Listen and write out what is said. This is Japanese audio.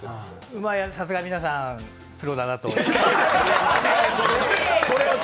まあ、さすが皆さんプロだなと。